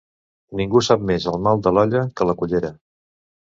Ningú sap més el mal de l'olla que la cullera.